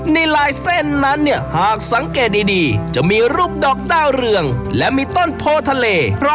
ลายเส้นนั้นเนี่ยหากสังเกตดีจะมีรูปดอกดาวเรืองและมีต้นโพทะเล